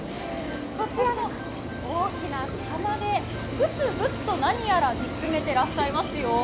こちらの大きな釜でぐつぐつと何やら煮詰めていらっしゃいますよ。